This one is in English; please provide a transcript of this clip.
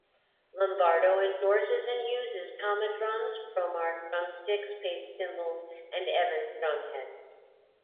Lombardo endorses and uses Tama Drums, Promark Drumsticks, Paiste Cymbals and Evans Drumheads.